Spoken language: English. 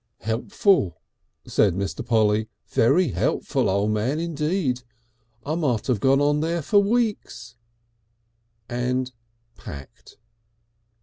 "Helpful," said Mr. Polly; "very helpful, O' Man indeed. I might have gone on there for weeks," and packed.